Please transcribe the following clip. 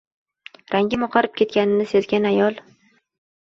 Rangim oqarib ketganini sezgan ayol